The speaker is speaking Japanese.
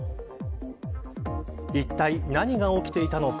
いったい何が起きていたのか。